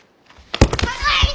はい！